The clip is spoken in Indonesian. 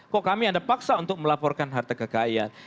kok kami anda paksa untuk melaporkan harta kekayaan